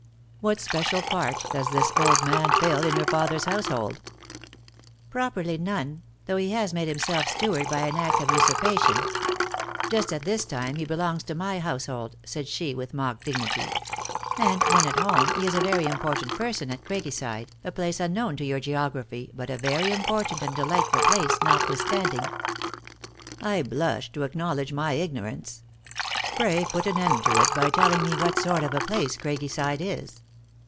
" What special part does this old man fill in your father s household?" " Properly, none ; though he has made himself stew ard by an act of usurpation. Just at this time he be longs to my household," said she, with mock dignity. " And, when at home, he is a very important person at Craiggyside, a place unknown to your geography, but a very important and delightful place, notwithstanding." " I blush to acknowledge my ignorance. Pray put an end to it by telling me what sort of a place Craiggy side is."